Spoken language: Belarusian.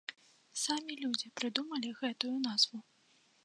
Самі людзі прыдумалі гэтую назву.